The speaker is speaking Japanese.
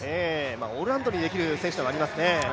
オールラウンドにできる選手ということもありますね。